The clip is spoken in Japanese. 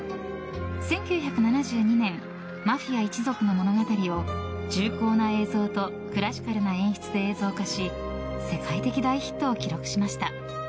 １９７２年マフィア一族の物語を重厚な映像とクラシカルな演出で映像化し世界的大ヒットを記録しました。